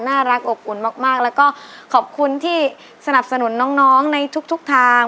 น่ารักอบอุ่นมากแล้วก็ขอบคุณที่สนับสนุนน้องในทุกทาง